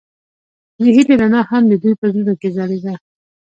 د هیلې رڼا هم د دوی په زړونو کې ځلېده.